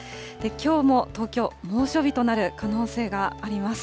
きょうも東京、猛暑日となる可能性があります。